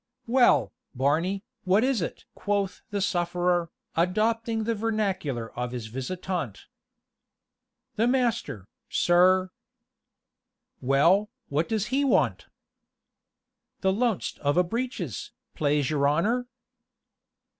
"Well, Barney, what is it?" quoth the sufferer, adopting the vernacular of his visitant. "The master, sir " "Well, what does he want?" "The loanst of a breeches, plase your honor."